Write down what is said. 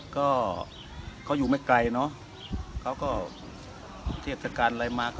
ก็เขาอยู่ไม่ไกลเนาะเขาก็เทียบสักการณ์อะไรมา